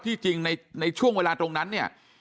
จริงในช่วงเวลาตรงนั้นเนี่ย